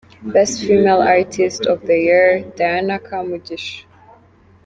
Best Female artist of the year: Diana Kamugisha.